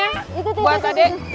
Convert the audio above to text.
yuk kita pulang yuk